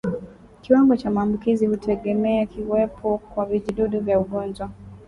Kiwango cha maambukizi hutegemea kuwepo kwa vijidudu vya ugonjwa